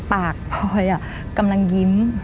ปากพอยกำลังยิ้ม